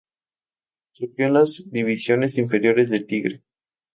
Surgido de las divisiones inferiores de Tigre.